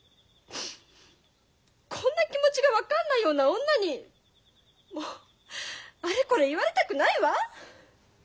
こんな気持ちが分かんないような女にあれこれ言われたくないわ。